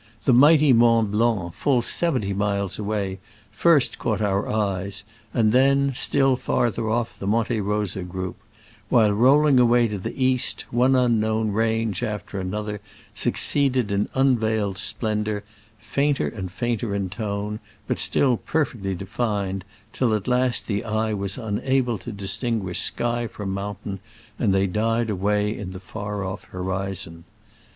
The mighty Mont Blanc, full seventy miles away, first caught our eyes, and then, still farther off, the Monte Rosa group ; while, roll ing away to the east, one unknown range after another succeeded in un veiled splendor, fainter and fainter in tone, but still perfectly defined, till at last the eye was unable to distinguish sky from mountain, and they died away in the far off horizon.